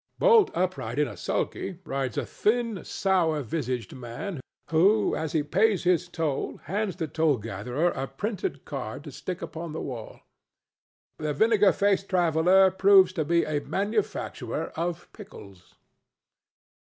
Bolt upright in a sulky rides a thin, sour visaged man who as he pays his toll hands the toll gatherer a printed card to stick upon the wall. The vinegar faced traveller proves to be a manufacturer of pickles.